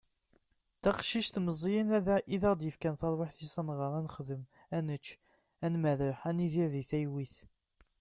taqcict meẓẓiyen i aɣ-d-yefkan taṛwiḥt-is ad nɣeṛ, ad nexdem, ad nečč, ad merreḥ, ad nidir di talwit